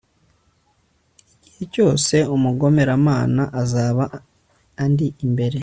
igihe cyose umugomeramana azaba andi imbere